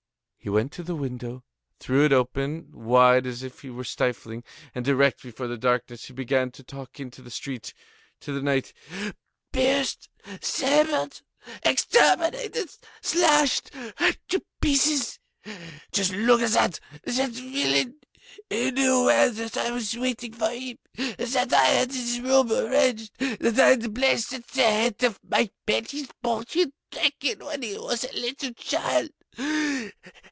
He went to the window, threw it wide open as though he were stifling, and, erect before the darkness, he began to talk into the street, to the night: "Pierced, sabred, exterminated, slashed, hacked in pieces! Just look at that, the villain! He knew well that I was waiting for him, and that I had had his room arranged, and that I had placed at the head of my bed his portrait taken when he was a little child!